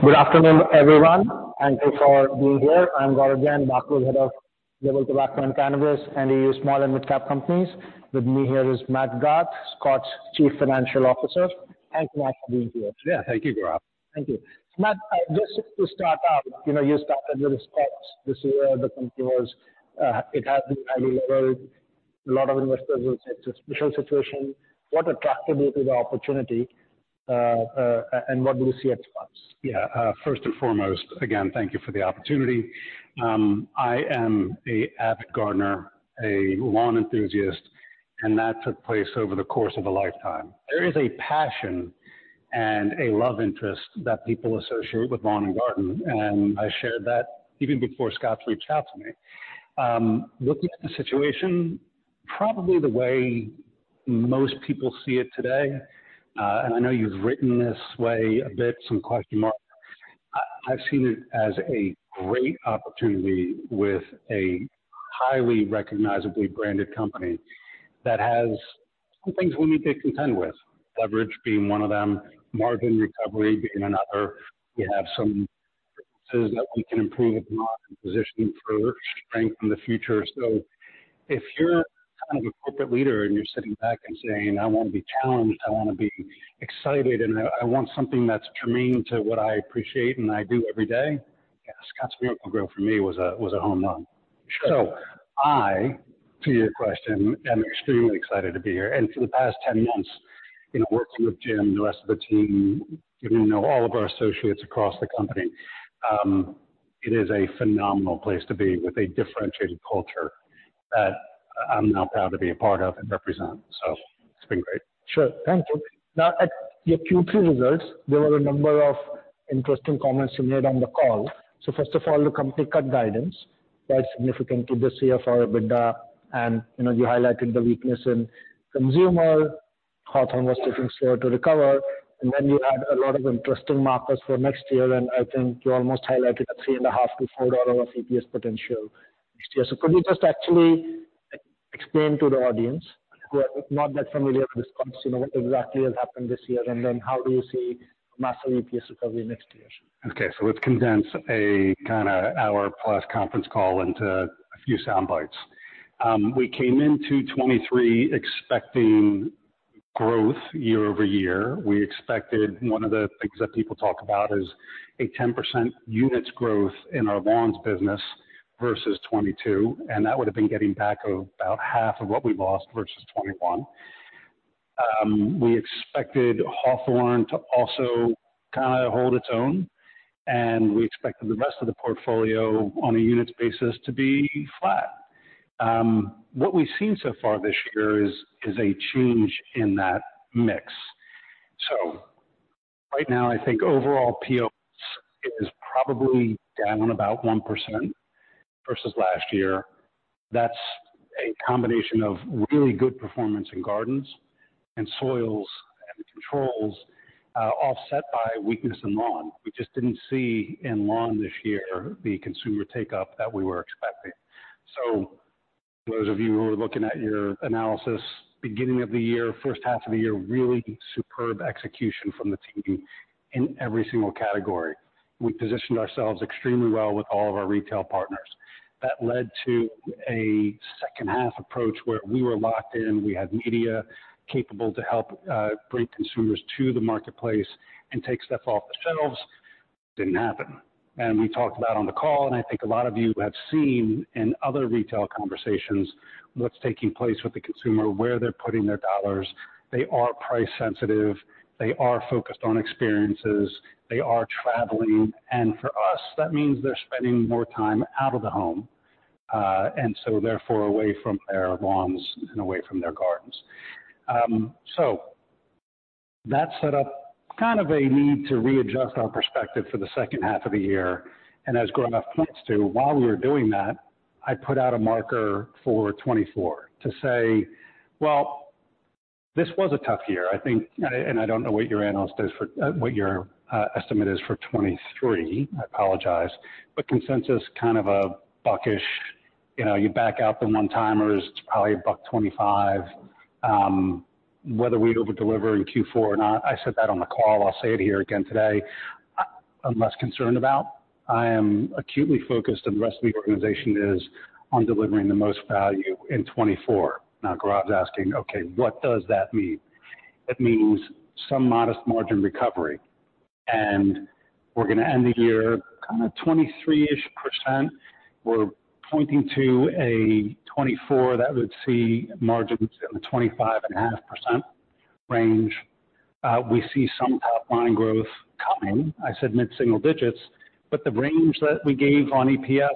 Good afternoon, everyone, and thanks for being here. I'm Gaurav Jain, Global Tobacco and Cannabis and EU Small and Mid-Cap Companies. With me here is Matt Garth, Scotts' Chief Financial Officer. Thanks, Matt, for being here. Yeah, thank you, Gaurav. Thank you. Matt, just to start out, you know, you started with Scotts this year. The company was, it has been highly levered. A lot of investors would say it's a special situation. What attracted you to the opportunity, and what do you see at Scotts? Yeah. First and foremost, again, thank you for the opportunity. I am an avid gardener, a lawn enthusiast, and that took place over the course of a lifetime. There is a passion and a love interest that people associate with lawn and garden, and I shared that even before Scotts reached out to me. Looking at the situation, probably the way most people see it today, and I know you've written this way a bit, some question marks. I've seen it as a great opportunity with a highly recognizable branded company that has some things we need to contend with, leverage being one of them, margin recovery being another. We have some places that we can improve upon and position for strength in the future. So if you're kind of a corporate leader and you're sitting back and saying, "I want to be challenged, I want to be excited, and I, I want something that's germane to what I appreciate and I do every day," yeah, Scotts Miracle-Gro, for me, was a, was a home run. Sure. So I, to your question, am extremely excited to be here, and for the past 10 months, you know, working with Jim and the rest of the team, getting to know all of our associates across the company, it is a phenomenal place to be with a differentiated culture that I'm now proud to be a part of and represent. So it's been great. Sure. Thank you. Now, at your Q3 results, there were a number of interesting comments you made on the call. So first of all, the company cut guidance quite significantly this year for EBITDA, and, you know, you highlighted the weakness in consumer, Hawthorne was taking slower to recover. And then you had a lot of interesting markers for next year, and I think you almost highlighted a $3.5-$4 of EPS potential next year. So could you just actually explain to the audience who are not that familiar with Scotts, you know, what exactly has happened this year, and then how do you see massive EPS recovery next year? Okay, so let's condense a kinda hour-plus conference call into a few sound bites. We came into 2023 expecting growth year-over-year. We expected, one of the things that people talk about is a 10% units growth in our lawns business versus 2022, and that would have been getting back about half of what we lost versus 2021. We expected Hawthorne to also kinda hold its own, and we expected the rest of the portfolio on a unit basis to be flat. What we've seen so far this year is a change in that mix. So right now, I think overall POS is probably down about 1% versus last year. That's a combination of really good performance in gardens and soils and controls, offset by weakness in lawn. We just didn't see in lawn this year the consumer take-up that we were expecting. So those of you who are looking at your analysis, beginning of the year, first half of the year, really superb execution from the team in every single category. We positioned ourselves extremely well with all of our retail partners. That led to a second half approach where we were locked in. We had media capable to help bring consumers to the marketplace and take stuff off the shelves. Didn't happen, and we talked about on the call, and I think a lot of you have seen in other retail conversations, what's taking place with the consumer, where they're putting their dollars. They are price sensitive, they are focused on experiences, they are traveling, and for us, that means they're spending more time out of the home, and so therefore away from their lawns and away from their gardens. So that set up kind of a need to readjust our perspective for the second half of the year. And as Gaurav points to, while we were doing that, I put out a marker for 2024 to say, "Well, this was a tough year." I think, and I don't know what your analyst is for... What your estimate is for 2023, I apologize, but consensus, kind of $1-ish. You know, you back out the one-timers, it's probably $1.25. Whether we overdeliver in Q4 or not, I said that on the call, I'll say it here again today. I'm less concerned about. I am acutely focused, and the rest of the organization is, on delivering the most value in 2024. Now, Gaurav's asking: Okay, what does that mean? It means some modest margin recovery, and we're gonna end the year kind of 23-ish%. We're pointing to a 2024 that would see margins in the 25.5% range. We see some top-line growth coming. I said mid-single digits, but the range that we gave on EPS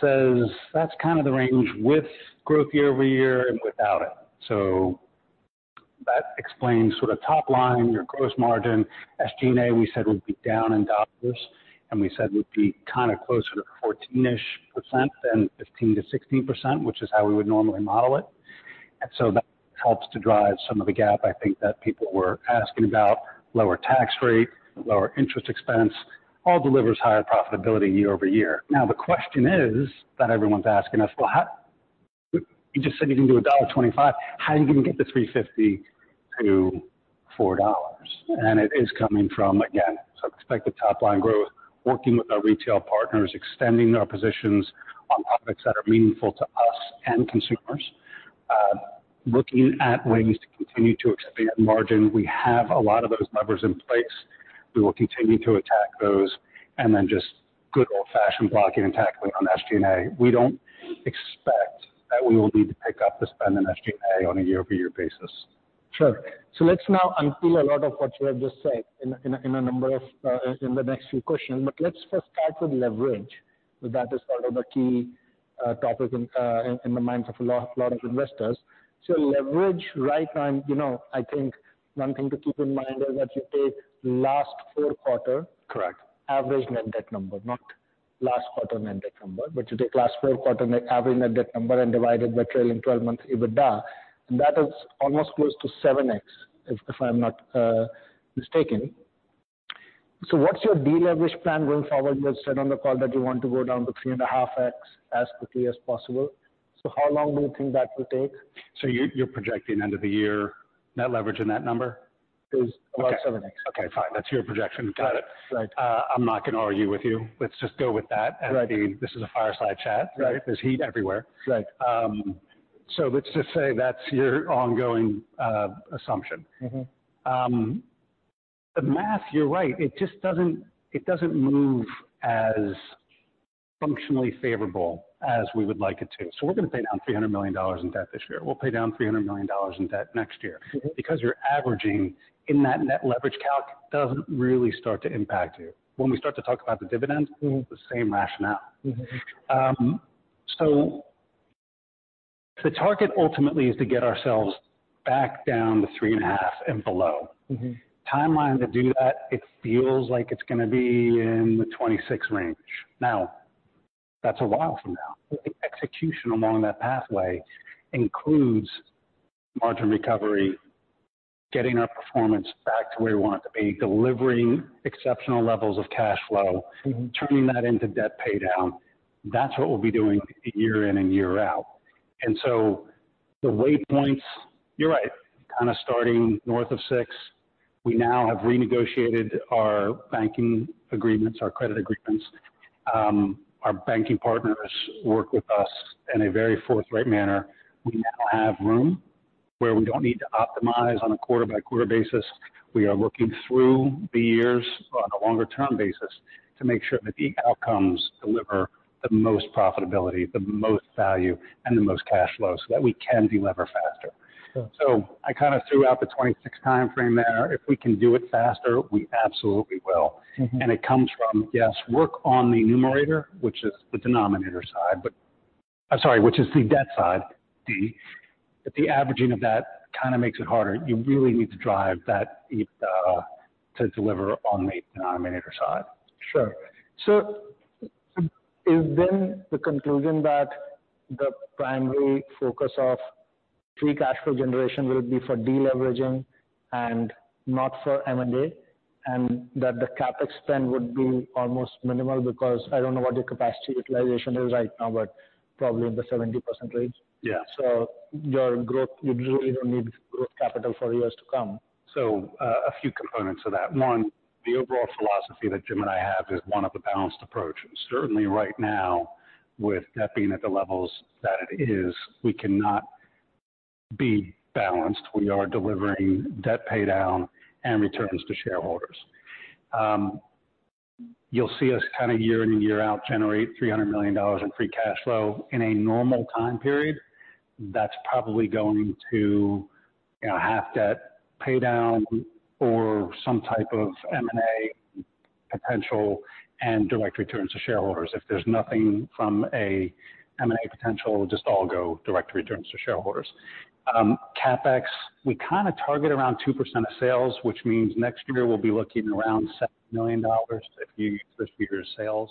says that's kind of the range with growth year-over-year and without it. So that explains sort of top line, your gross margin. SG&A, we said, would be down in dollars, and we said we'd be kind of closer to 14-ish% than 15%-16%, which is how we would normally model it. And so that helps to drive some of the gap, I think, that people were asking about. Lower tax rate, lower interest expense, all delivers higher profitability year-over-year. Now, the question is, that everyone's asking us: Well, you just said you can do $1.25. How are you going to get the $3.50-$4? And it is coming from, again, so expected top line growth, working with our retail partners, extending our positions on topics that are meaningful to us and consumers. Looking at ways to continue to expand margin. We have a lot of those levers in place. We will continue to attack those and then just good old-fashioned blocking and tackling on SG&A. We don't expect that we will need to pick up the spend in SG&A on a year-over-year basis. Sure. So let's now unpeel a lot of what you have just said in a number of in the next few questions, but let's first start with leverage. That is one of the key topics in the minds of a lot of investors. So leverage right now, you know, I think one thing to keep in mind is that you take last four quarter- Correct. Average net debt number, not last quarter net debt number, but you take last 4 quarter net average net debt number and divide it by trailing 12-month EBITDA. That is almost close to 7x, if I'm not mistaken. So what's your deleverage plan going forward? You said on the call that you want to go down to 3.5x as quickly as possible. So how long do you think that will take? So you're projecting end of the year net leverage in that number? It was about 7x. Okay, fine. That's your projection. Got it. Right. I'm not going to argue with you. Let's just go with that. Right. This is a fireside chat. Right. There's heat everywhere. Right. So let's just say that's your ongoing assumption. Mm-hmm. The math, you're right. It just doesn't move as functionally favorable as we would like it to. So we're going to pay down $300 million in debt this year. We'll pay down $300 million in debt next year. Mm-hmm. Because you're averaging in that net leverage calc, doesn't really start to impact you. When we start to talk about the dividend- Mm-hmm. The same rationale. Mm-hmm. The target ultimately is to get ourselves back down to 3.5 and below. Mm-hmm. Timeline to do that, it feels like it's going to be in the 2026 range. Now, that's a while from now. The execution along that pathway includes margin recovery, getting our performance back to where we want it to be, delivering exceptional levels of cash flow- Mm-hmm. Turning that into debt paydown. That's what we'll be doing year in and year out. And so the way points, you're right, kind of starting north of 6. We now have renegotiated our banking agreements, our credit agreements. Our banking partners work with us in a very forthright manner. We now have room where we don't need to optimize on a quarter-by-quarter basis. We are looking through the years on a longer-term basis, to make sure that the outcomes deliver the most profitability, the most value, and the most cash flow, so that we can delever faster. Sure. I kind of threw out the 26 time frame there. If we can do it faster, we absolutely will. Mm-hmm. It comes from, yes, work on the numerator, which is the denominator side, but... I'm sorry, which is the debt side, D. But the averaging of that kind of makes it harder. You really need to drive that EBITDA to deliver on the denominator side. Sure. So is then the conclusion that the primary focus of free cash flow generation will be for deleveraging and not for M&A, and that the CapEx spend would be almost minimal? Because I don't know what the capacity utilization is right now, but probably in the 70% range. Yeah. Your growth, you really don't need growth capital for years to come. So, a few components of that. One, the overall philosophy that Jim and I have is one of a balanced approach. Certainly right now, with debt being at the levels that it is, we cannot be balanced. We are delivering debt paydown and returns to shareholders. You'll see us kind of year in and year out, generate $300 million in free cash flow. In a normal time period, that's probably going to, you know, half debt paydown or some type of M&A potential and direct returns to shareholders. If there's nothing from a M&A potential, it'll just all go direct returns to shareholders. CapEx, we kind of target around 2% of sales, which means next year we'll be looking around $7 million if you use this year's sales.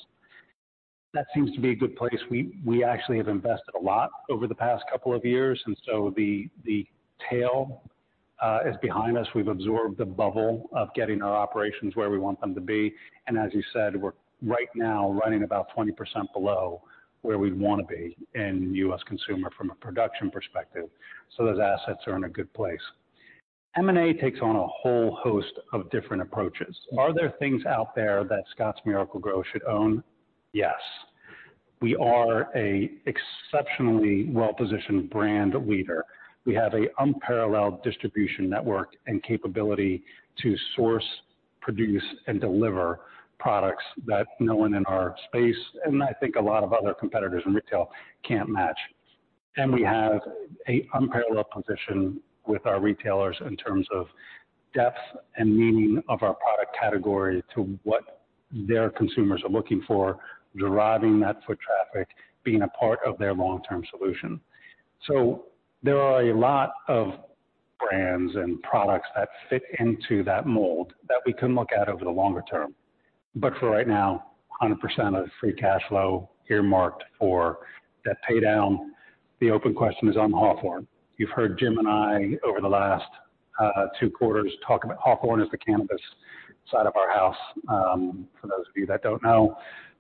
That seems to be a good place. We actually have invested a lot over the past couple of years, and so the tail is behind us. We've absorbed the bubble of getting our operations where we want them to be, and as you said, we're right now running about 20% below where we'd want to be in U.S. consumer from a production perspective. So those assets are in a good place. M&A takes on a whole host of different approaches. Are there things out there that Scotts Miracle-Gro should own? Yes. We are an exceptionally well-positioned brand leader. We have an unparalleled distribution network and capability to source, produce, and deliver products that no one in our space, and I think a lot of other competitors in retail, can't match. We have an unparalleled position with our retailers in terms of depth and meaning of our product category to what their consumers are looking for, deriving that foot traffic, being a part of their long-term solution. So there are a lot of brands and products that fit into that mold that we can look at over the longer term, but for right now, 100% of the free cash flow earmarked for debt paydown. The open question is on Hawthorne. You've heard Jim and I over the last two quarters talk about Hawthorne as the cannabis side of our house, for those of you that don't know,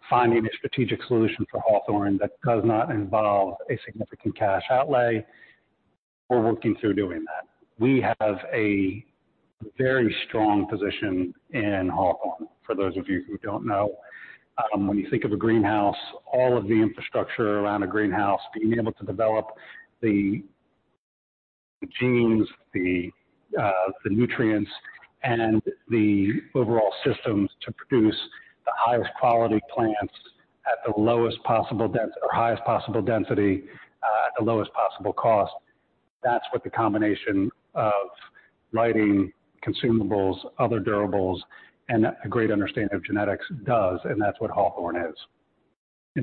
finding a strategic solution for Hawthorne that does not involve a significant cash outlay, we're working through doing that. We have a very strong position in Hawthorne, for those of you who don't know. When you think of a greenhouse, all of the infrastructure around a greenhouse, being able to develop the genes, the nutrients, and the overall systems to produce the highest quality plants at the lowest possible dens-- or highest possible density at the lowest possible cost. That's what the combination of lighting, consumables, other durables, and a great understanding of genetics does, and that's what Hawthorne is.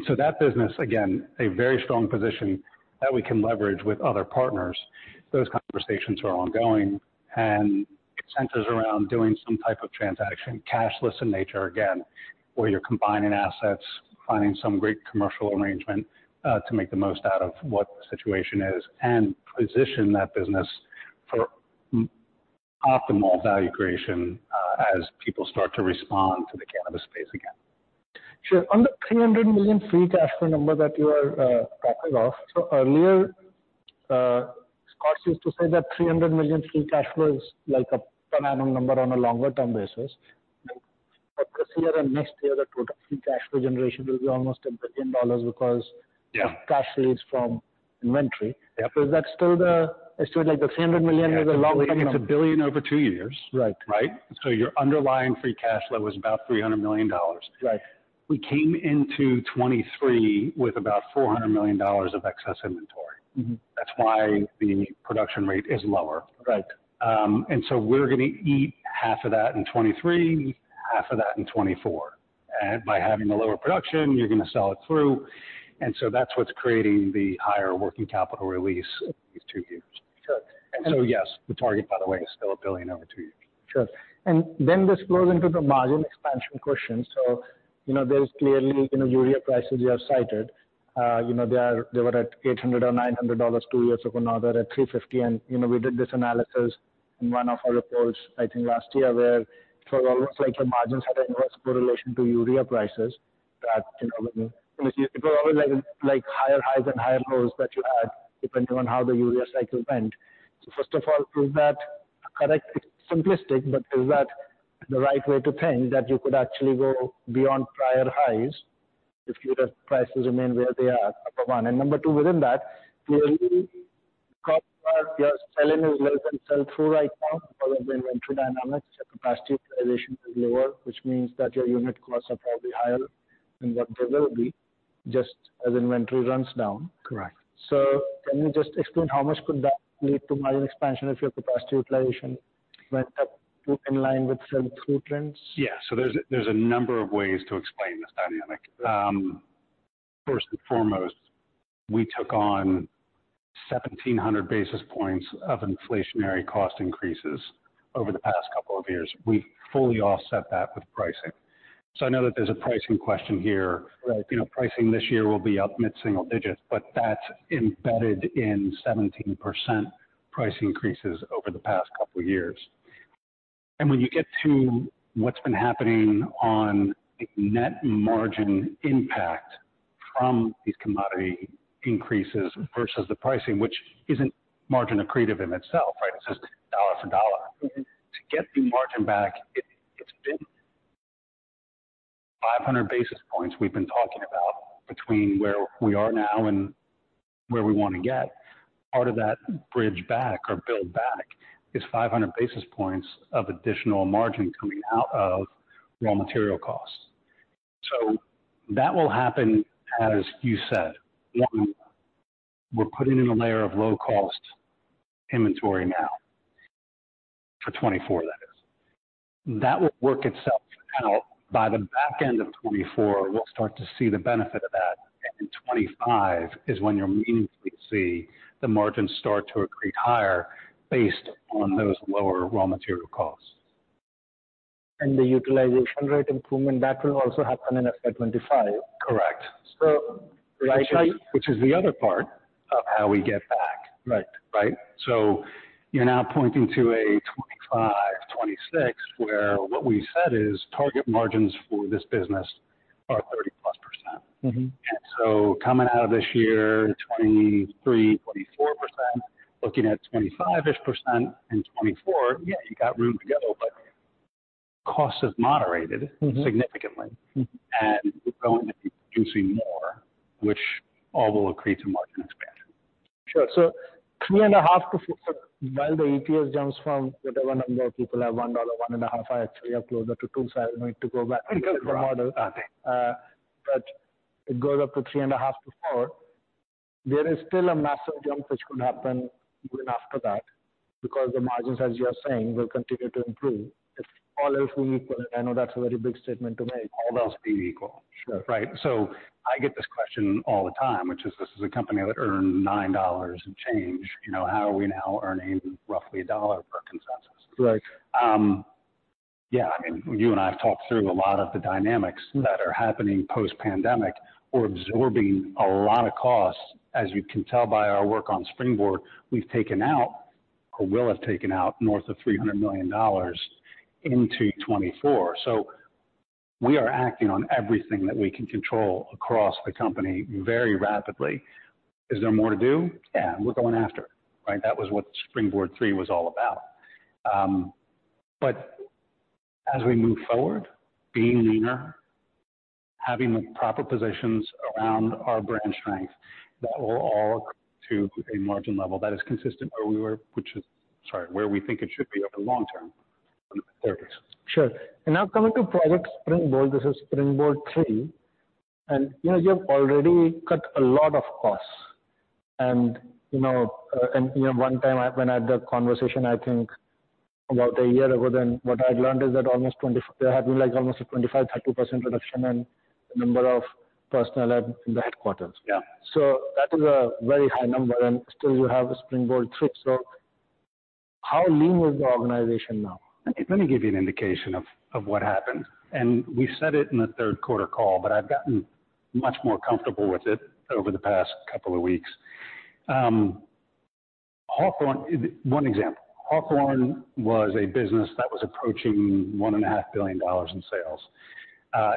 So that business, again, a very strong position that we can leverage with other partners. Those conversations are ongoing and it centers around doing some type of transaction, cashless in nature, again, where you're combining assets, finding some great commercial arrangement to make the most out of what the situation is, and position that business for optimal value creation as people start to respond to the cannabis space again. Sure. On the $300 million free cash flow number that you are talking of, so earlier, Scott used to say that $300 million free cash flow is like a per annum number on a longer term basis. But this year and next year, the total free cash flow generation will be almost $1 billion because- Yeah. of cash release from inventory. Yep. Is that still, like, the $300 million is a long number? It's $1 billion over 2 years. Right. Right? So your underlying free cash flow is about $300 million. Right. We came into 2023 with about $400 million of excess inventory. Mm-hmm. That's why the production rate is lower. Right. and so we're going to eat half of that in 2023, half of that in 2024. And by having a lower production, you're going to sell it through, and so that's what's creating the higher working capital release these two years. Sure. Yes, the target, by the way, is still $1 billion over two years. Sure. And then this flows into the margin expansion question. So, you know, there is clearly, you know, urea prices you have cited. You know, they are- they were at $800 or $900 two years ago, now they're at $350. And, you know, we did this analysis in one of our reports, I think last year, where it was almost like your margins had an inverse correlation to urea prices that, you know, it was always, like, higher highs and higher lows that you had, depending on how the urea cycle went. So first of all, is that correct? It's simplistic, but is that the right way to think that you could actually go beyond prior highs if urea prices remain where they are, number one. And number two, within that, clearly, cost of what you are selling is less than sell-through right now because of the inventory dynamics. Your capacity utilization is lower, which means that your unit costs are probably higher than what they will be, just as inventory runs down. Correct. Can you just explain how much could that lead to margin expansion if your capacity utilization went up to in line with sell-through trends? Yeah. So there's a, there's a number of ways to explain this dynamic. First and foremost, we took on 1700 basis points of inflationary cost increases over the past couple of years. We fully offset that with pricing. So I know that there's a pricing question here. Right. You know, pricing this year will be up mid-single digits, but that's embedded in 17% price increases over the past couple of years. When you get to what's been happening on a net margin impact from these commodity increases versus the pricing, which isn't margin accretive in itself, right? It's just dollar for dollar. Mm-hmm. To get the margin back, it's been 500 basis points we've been talking about between where we are now and where we want to get. Part of that bridge back or build back is 500 basis points of additional margin coming out of raw material costs. So that will happen, as you said. One, we're putting in a layer of low-cost inventory now for 2024, that is. That will work itself out. By the back end of 2024, we'll start to see the benefit of that. And in 2025 is when you'll meaningfully see the margins start to accrete higher based on those lower raw material costs. The utilization rate improvement, that will also happen in effect 25? Correct. So, like I- Which is the other part of how we get back. Right. Right? So you're now pointing to a 25, 26, where what we said is target margins for this business are 30+%. Mm-hmm. Coming out of this year, 2023, 24%, looking at 25-ish% in 2024. Yeah, you got room to go, but cost has moderated- Mm-hmm. -significantly. Mm-hmm. We're going to be producing more, which all will accrete to margin expansion. Sure. So 3.5-4... While the EPS jumps from whatever number of people have, $1, 1.5, I actually have closer to 2, so I need to go back and look at the model. Uh, right. But it goes up to 3.5-4. There is still a massive jump which could happen even after that, because the margins, as you are saying, will continue to improve. It's all else being equal, and I know that's a very big statement to make. All else being equal. Sure. Right. So I get this question all the time, which is this is a company that earned $9 and change. You know, how are we now earning roughly $1 per consensus? Right. Yeah, I mean, you and I have talked through a lot of the dynamics- Mm. -that are happening post-pandemic. We're absorbing a lot of costs. As you can tell by our work on Springboard, we've taken out or will have taken out north of $300 million into 2024. So, we are acting on everything that we can control across the company very rapidly. Is there more to do? Yeah, and we're going after it, right? That was what Springboard 3 was all about. But as we move forward, being leaner, having the proper positions around our brand strength, that will all accrete to a margin level that is consistent where we were, which is—sorry, where we think it should be over the long term. Fair case. Sure. And now coming to Project Springboard, this is Springboard 3, and, you know, you have already cut a lot of costs. And, you know, and, you know, one time when I had the conversation, I think about a year ago, then, what I learned is that there had been, like, almost a 25%-30% reduction in the number of personnel at the headquarters. Yeah. So that is a very high number, and still you have Springboard three. So how lean is the organization now? Let me give you an indication of what happened, and we said it in the third quarter call, but I've gotten much more comfortable with it over the past couple of weeks. Hawthorne, one example, Hawthorne was a business that was approaching $1.5 billion in sales.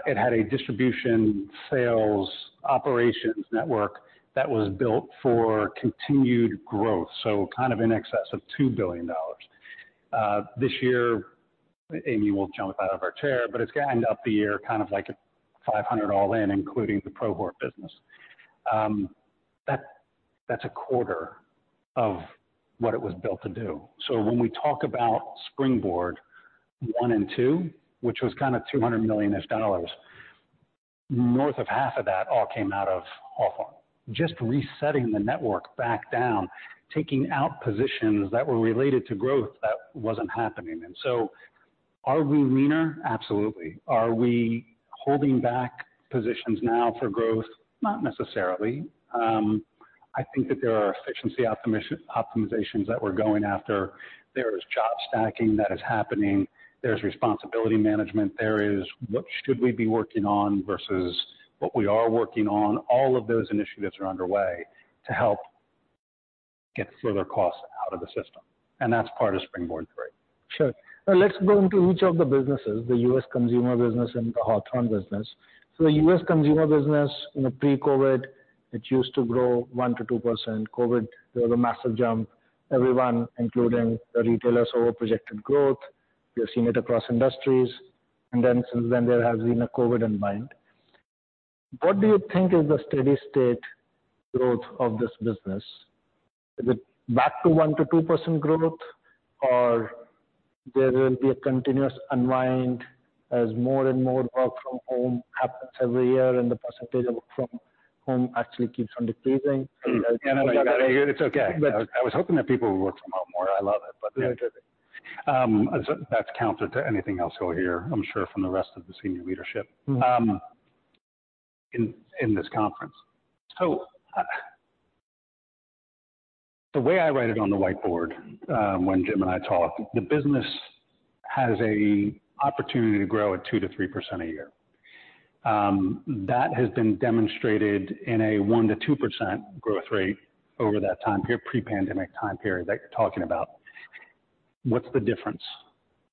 It had a distribution, sales, operations network that was built for continued growth, so kind of in excess of $2 billion. This year, Amy will jump out of her chair, but it's gonna end up the year, kind of like $500 million all in, including the ProHort business. That, that's a quarter of what it was built to do. So when we talk about Springboard one and two, which was kind of $200 million-ish, north of half of that all came out of Hawthorne. Just resetting the network back down, taking out positions that were related to growth that wasn't happening. And so are we leaner? Absolutely. Are we holding back positions now for growth? Not necessarily. I think that there are efficiency optimization, optimizations that we're going after. There is job stacking that is happening, there's responsibility management. There is, what should we be working on versus what we are working on. All of those initiatives are underway to help get further costs out of the system, and that's part of Springboard three. Sure. Now let's go into each of the businesses, the U.S. consumer business and the Hawthorne business. So the U.S. consumer business, in the pre-COVID, it used to grow 1%-2%. COVID, there was a massive jump. Everyone, including the retailers, over projected growth. We have seen it across industries, and then since then, there has been a COVID unwind. What do you think is the steady state growth of this business? Is it back to 1%-2% growth, or there will be a continuous unwind as more and more work from home happens every year, and the percentage of work from home actually keeps on decreasing? It's okay. I was hoping that people would work from home more. I love it, but that's counter to anything else you'll hear, I'm sure, from the rest of the senior leadership in this conference. The way I write it on the whiteboard, when Jim and I talk, the business has a opportunity to grow at 2%-3% a year. That has been demonstrated in a 1%-2% growth rate over that time period, pre-pandemic time period that you're talking about. What's the difference?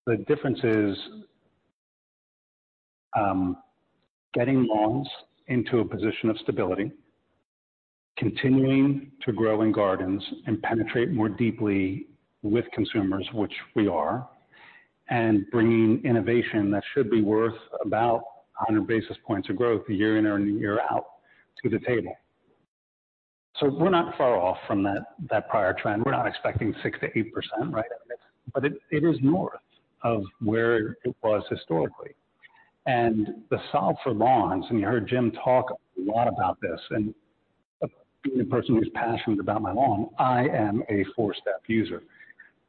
The difference is getting lawns into a position of stability, continuing to grow in gardens, and penetrate more deeply with consumers, which we are, and bringing innovation that should be worth about 100 basis points of growth year in and year out to the table. So we're not far off from that, that prior trend. We're not expecting 6%-8%, right? But it, it is north of where it was historically. And the solve for lawns, and you heard Jim talk a lot about this, and being a person who's passionate about my lawn, I am a four-step user.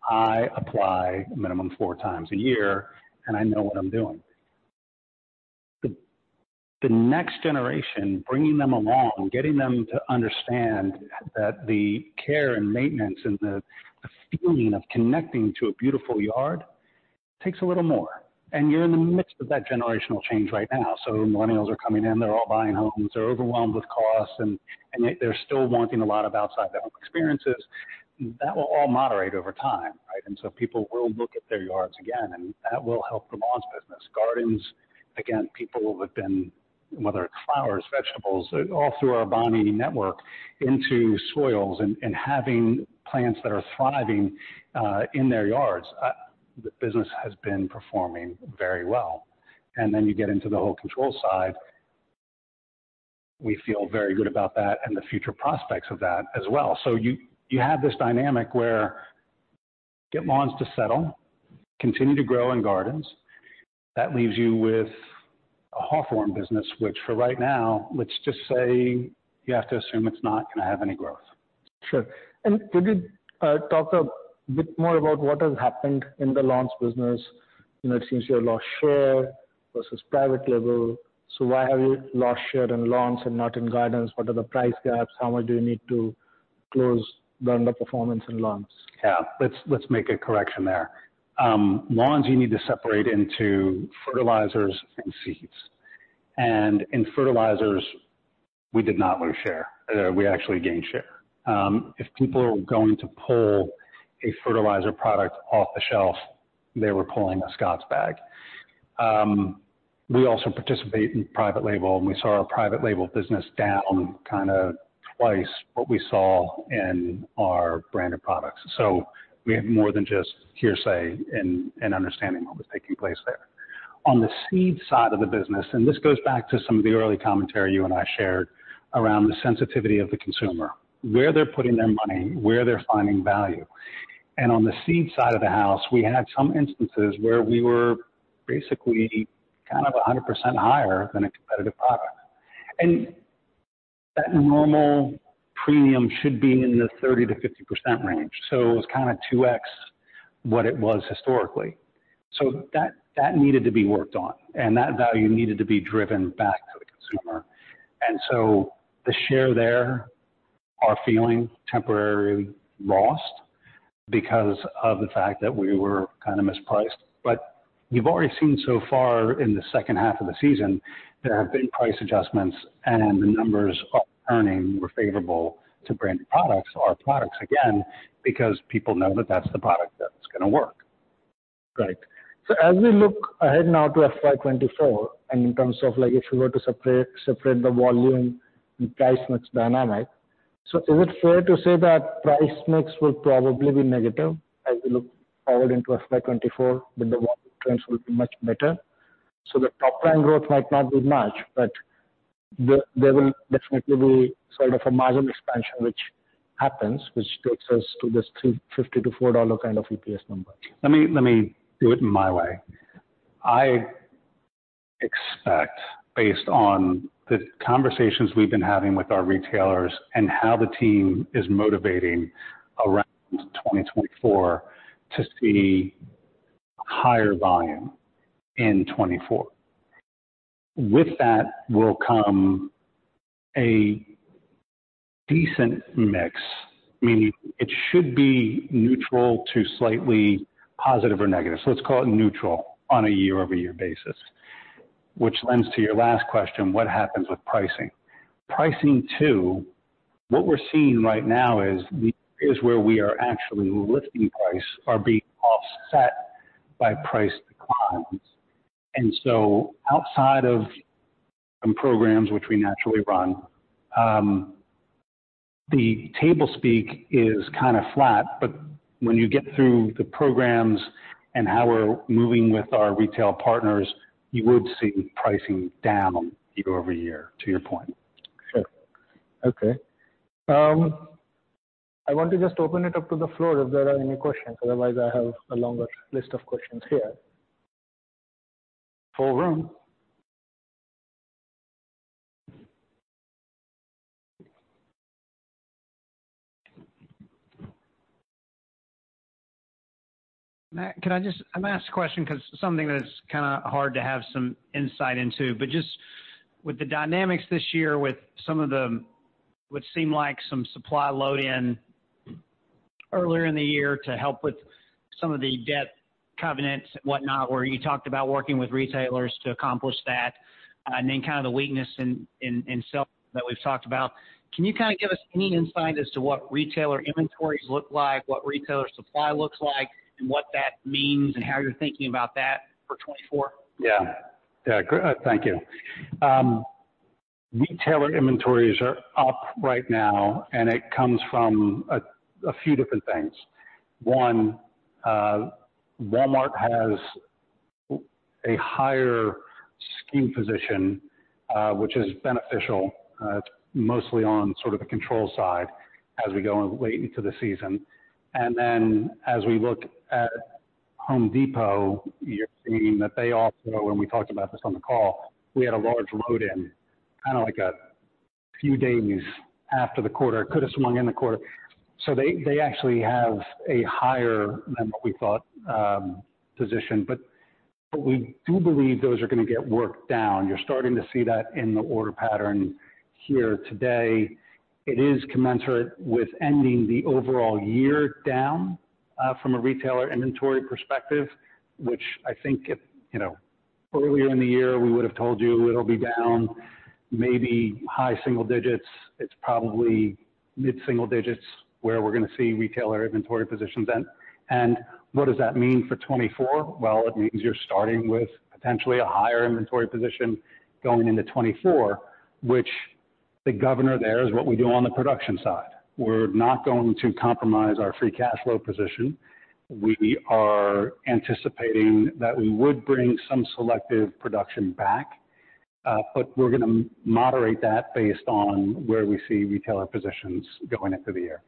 I apply minimum four times a year, and I know what I'm doing. The, the next generation, bringing them along, getting them to understand that the care and maintenance and the, the feeling of connecting to a beautiful yard takes a little more, and you're in the midst of that generational change right now. So millennials are coming in, they're all buying homes. They're overwhelmed with costs, and, and yet they're still wanting a lot of outside experiences. That will all moderate over time, right? So people will look at their yards again, and that will help the lawns business. Gardens, again, people have been, whether it's flowers, vegetables, all through our Bonnie network, into soils and, and having plants that are thriving, in their yards, the business has been performing very well. And then you get into the whole control side. We feel very good about that and the future prospects of that as well. So you, you have this dynamic where get lawns to settle, continue to grow in gardens. That leaves you with a Hawthorne business, which for right now, let's just say you have to assume it's not gonna have any growth. Sure. Could you talk a bit more about what has happened in the lawns business? You know, it seems you have lost share versus private label. So why have you lost share in lawns and not in gardens? What are the price gaps? How much do you need to close down the performance in lawns? Yeah, let's make a correction there. Lawns, you need to separate into fertilizers and seeds... In fertilizers, we did not lose share. We actually gained share. If people are going to pull a fertilizer product off the shelf, they were pulling a Scotts bag. We also participate in private label, and we saw our private label business down kind of twice what we saw in our branded products. We have more than just hearsay in understanding what was taking place there. On the seed side of the business, and this goes back to some of the early commentary you and I shared around the sensitivity of the consumer, where they're putting their money, where they're finding value. On the seed side of the house, we had some instances where we were basically kind of 100% higher than a competitive product. That normal premium should be in the 30%-50% range, so it was kind of 2x what it was historically. So that, that needed to be worked on, and that value needed to be driven back to the consumer. And so the share there are feeling temporarily lost because of the fact that we were kind of mispriced. But you've already seen so far in the second half of the season, there have been price adjustments, and the numbers of earning were favorable to branded products, our products, again, because people know that that's the product that's gonna work. Right. So as we look ahead now to FY 2024, and in terms of like if you were to separate the volume and price mix dynamic, so is it fair to say that price mix will probably be negative as we look forward into FY 2024, but the volume trends will be much better? So the top line growth might not be much, but there will definitely be sort of a margin expansion which happens, which takes us to this $2.50-$4 kind of EPS number. Let me, let me do it in my way. I expect, based on the conversations we've been having with our retailers and how the team is motivating around 2024, to see higher volume in 2024. With that will come a decent mix, meaning it should be neutral to slightly positive or negative. So let's call it neutral on a year-over-year basis. Which lends to your last question: What happens with pricing? Pricing, too, what we're seeing right now is, the areas where we are actually lifting price are being offset by price declines. And so outside of some programs which we naturally run, the table speak is kind of flat, but when you get through the programs and how we're moving with our retail partners, you would see pricing down year-over-year, to your point. Sure. Okay. I want to just open it up to the floor if there are any questions. Otherwise, I have a longer list of questions here. Over. Matt, can I just, I'm gonna ask a question because something that's kind of hard to have some insight into, but just with the dynamics this year, with some of the, what seem like some supply load earlier in the year to help with some of the debt covenants and whatnot, where you talked about working with retailers to accomplish that, and then kind of the weakness in sales that we've talked about. Can you kind of give us any insight as to what retailer inventories look like, what retailer supply looks like, and what that means, and how you're thinking about that for 2024? Yeah. Yeah. Gaurav, thank you. Retailer inventories are up right now, and it comes from a few different things. One, Walmart has a higher SKU position, which is beneficial. It's mostly on sort of the control side as we go late into the season. And then as we look at Home Depot, you're seeing that they also, and we talked about this on the call, we had a large load in, kind of like a few days after the quarter. It could have swung in the quarter. So they actually have a higher than what we thought position, but we do believe those are gonna get worked down. You're starting to see that in the order pattern here today. It is commensurate with ending the overall year down from a retailer inventory perspective, which I think if, you know, earlier in the year, we would have told you it'll be down maybe high single digits. It's probably mid single digits where we're gonna see retailer inventory positions end. What does that mean for 2024? Well, it means you're starting with potentially a higher inventory position going into 2024, which the governor there is what we do on the production side. We're not going to compromise our free cash flow position. We are anticipating that we would bring some selective production back, but we're gonna moderate that basead on where we see retailer positions going into the year.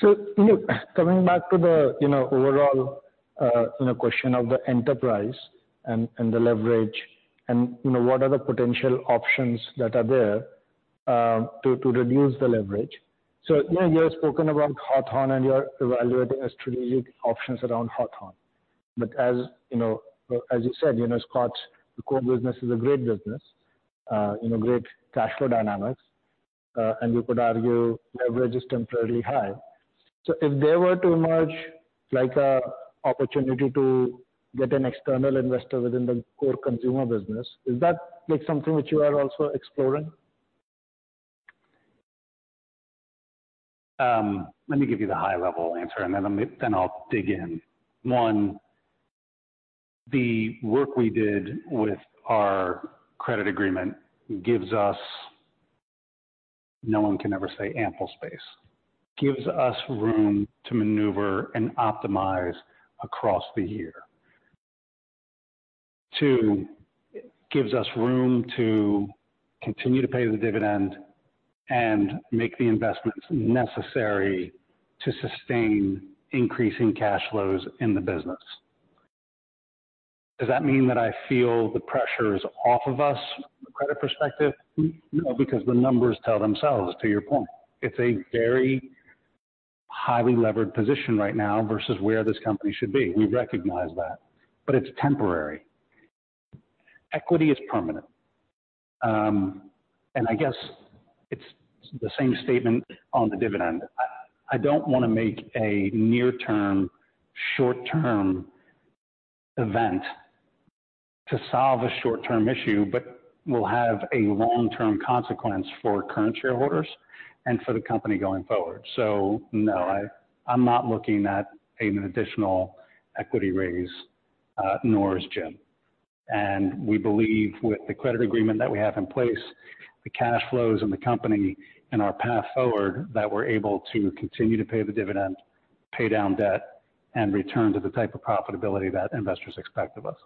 So, look, coming back to the, you know, overall, you know, question of the enterprise and, and the leverage and, you know, what are the potential options that are there, to reduce the leverage. So, you know, you have spoken about Hawthorne, and you are evaluating strategic options around Hawthorne. But as you know, as you said, you know, Scotts, the core business is a great business, you know, great cash flow dynamics, and you could argue leverage is temporarily high. So if there were to emerge like an opportunity to get an external investor within the core consumer business, is that like something which you are also exploring? Let me give you the high level answer, and then I'll dig in. One, the work we did with our credit agreement gives us, no one can ever say ample space. Gives us room to maneuver and optimize across the year. Two, gives us room to continue to pay the dividend and make the investments necessary to sustain increasing cash flows in the business. Does that mean that I feel the pressure is off of us from a credit perspective? No, because the numbers tell themselves, to your point. It's a very highly levered position right now versus where this company should be. We recognize that, but it's temporary. Equity is permanent. And I guess it's the same statement on the dividend. I don't wanna make a near-term, short-term event to solve a short-term issue, but will have a long-term consequence for current shareholders and for the company going forward. So no, I'm not looking at an additional equity raise, nor is Jim. And we believe with the credit agreement that we have in place, the cash flows in the company and our path forward, that we're able to continue to pay the dividend, pay down debt, and return to the type of profitability that investors expect of us.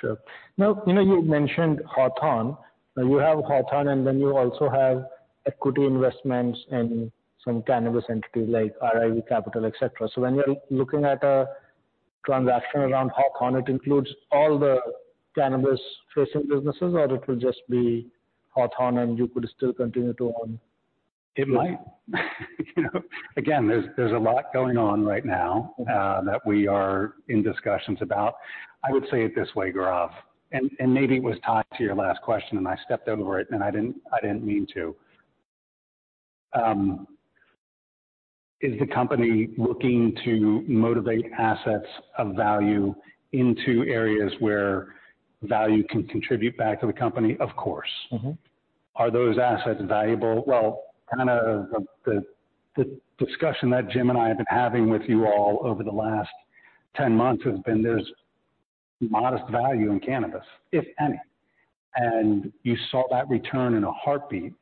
Sure. Now, you know, you mentioned Hawthorne. You have Hawthorne, and then you also have equity investments in some cannabis entity like RIV Capital, et cetera. So when you're looking at a transaction around Hawthorne, it includes all the cannabis-facing businesses, or it will just be Hawthorne, and you could still continue to own? It might. Again, there's a lot going on right now that we are in discussions about. I would say it this way, Gaurav, and maybe it was tied to your last question, and I stepped over it, and I didn't mean to. Is the company looking to motivate assets of value into areas where value can contribute back to the company? Of course. Mm-hmm. Are those assets valuable? Well, kind of the discussion that Jim and I have been having with you all over the last 10 months has been there's modest value in cannabis, if any. And you saw that return in a heartbeat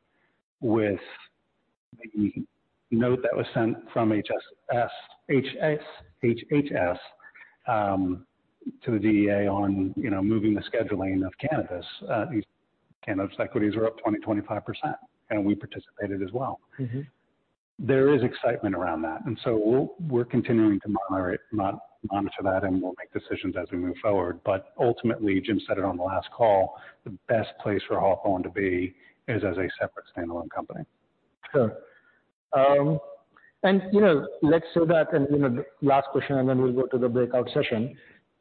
with the note that was sent from HHS to the DEA on, you know, moving the scheduling of cannabis. These cannabis equities were up 20%-25%, and we participated as well. Mm-hmm. There is excitement around that, and so we're continuing to monitor that, and we'll make decisions as we move forward. But ultimately, Jim said it on the last call, the best place for Hawthorne to be is as a separate standalone company. Sure. And, you know, let's say that, and, you know, last question, and then we'll go to the breakout session.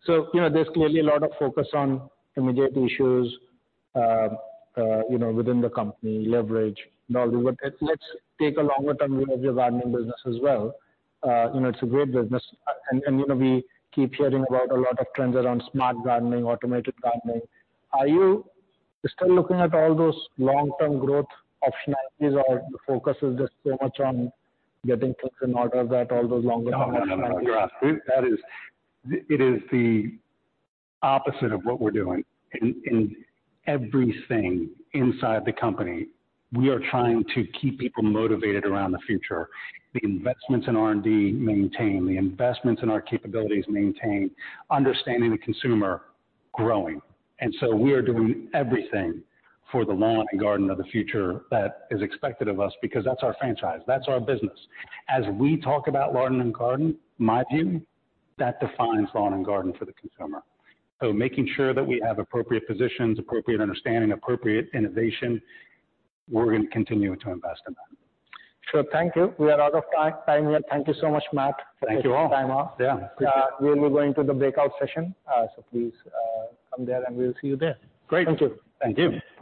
So, you know, there's clearly a lot of focus on immediate issues, you know, within the company, leverage and all. But let's take a long-term view of your gardening business as well. You know, it's a great business, and, and, you know, we keep hearing about a lot of trends around smart gardening, automated gardening. Are you still looking at all those long-term growth optionalities, or the focus is just so much on getting things in order that all those longer term- No, no, no, Gaurav, that is... It is the opposite of what we're doing. In everything inside the company, we are trying to keep people motivated around the future. The investments in R&D maintain, the investments in our capabilities maintain, understanding the consumer, growing. And so we are doing everything for the lawn and garden of the future that is expected of us because that's our franchise, that's our business. As we talk about lawn and garden, my view, that defines lawn and garden for the consumer. So making sure that we have appropriate positions, appropriate understanding, appropriate innovation, we're going to continue to invest in that. Sure. Thank you. We are out of time here. Thank you so much, Matt- Thank you all. -for your time off. Yeah, appreciate it. We'll be going to the breakout session, so please come there, and we'll see you there. Great. Thank you. Thank you.